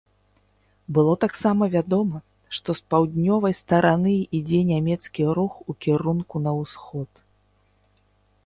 Было таксама вядома, што з паўднёвай стараны ідзе нямецкі рух у кірунку на ўсход.